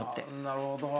なるほど。